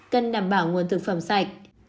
cần đảm bảo nguồn thực phẩm sạch